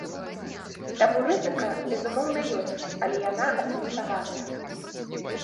Таму рызыка, безумоўна, ёсць, але яна асэнсаваная.